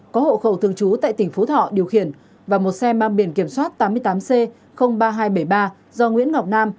có hộ khẩu thường trú tại tỉnh phú thọ điều khiển và một xe mang biển kiểm soát tám mươi tám c ba nghìn hai trăm bảy mươi ba do nguyễn ngọc nam